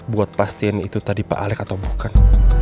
buat pastiin itu tadi pak alek atau bukan